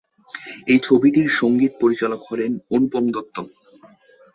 এই ছবিটির সঙ্গীত পরিচালক হলেন অনুপম দত্ত।